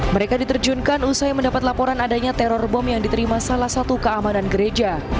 mereka diterjunkan usai mendapat laporan adanya teror bom yang diterima salah satu keamanan gereja